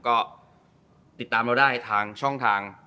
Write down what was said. ก็ติดตามเราได้ทางช่องทาง